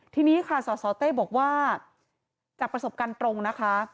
ทีนี้ค่ะสสเต้บอกว่าจากประสบการณ์ตรงนะคะ